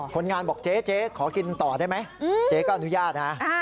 คนงานบอกเจ๊ขอกินต่อได้ไหมเจ๊ก็อนุญาตนะ